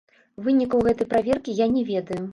Вынікаў гэтай праверкі я не ведаю.